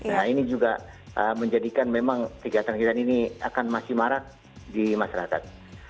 nah ini juga menjadikan memang kegiatan kegiatan ini akan masih marah di masyarakat